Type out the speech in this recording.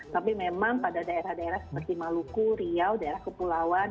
tapi memang pada daerah daerah seperti maluku riau daerah kepulauan